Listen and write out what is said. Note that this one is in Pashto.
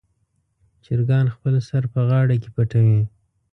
چرګان خپل سر په غاړه کې پټوي.